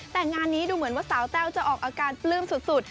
แต่งานนี้ดูเหมือนว่าสาวแต้วจะออกอาการปลื้มสุด